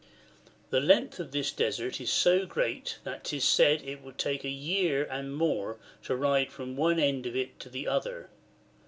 The length of this Desert is so great that 'tis said it would take a year and more to ride from one end of it to the other.